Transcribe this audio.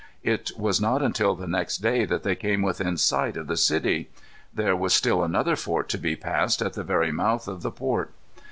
It was not until the next day that they came within sight of the city. There was still another fort to be passed at the very mouth of the port.